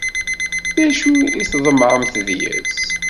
D acu i tḍemεemt deg-s?